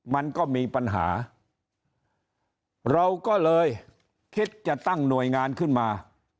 มันก็มีปัญหาเราก็เลยคิดจะตั้งหน่วยงานขึ้นมา